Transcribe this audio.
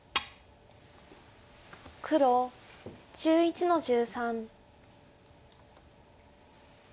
黒１１の十三。